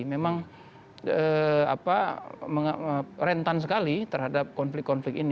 memang rentan sekali terhadap konflik konflik ini